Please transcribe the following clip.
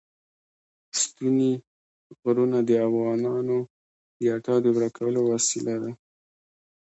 ستوني غرونه د افغانانو د اړتیاوو د پوره کولو وسیله ده.